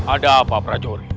ada apa prajuri